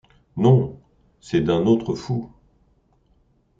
Non, c’est d’un autre fou.